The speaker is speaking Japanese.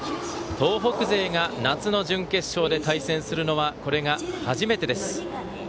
東北勢が夏の準決勝で対戦するのはこれが初めてです。